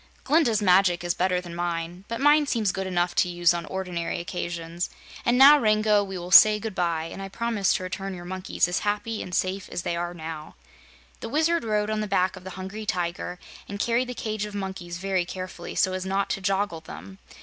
"Glinda's magic is better than mine, but mine seems good enough to use on ordinary occasions. And now, Rango, we will say good bye, and I promise to return your monkeys as happy and safe as they are now." The Wizard rode on the back of the Hungry Tiger and carried the cage of monkeys very carefully, so as not to joggle them.